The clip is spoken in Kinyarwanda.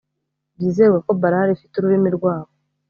Byizerwa ko balale ifite ururimi rwabo